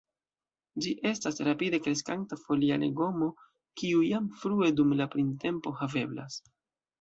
Ĝi estas rapide kreskanta folia legomo, kiu jam frue dum la printempo haveblas.